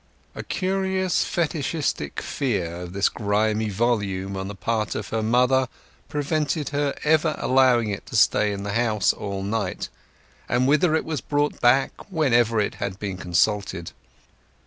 A curious fetishistic fear of this grimy volume on the part of her mother prevented her ever allowing it to stay in the house all night, and hither it was brought back whenever it had been consulted.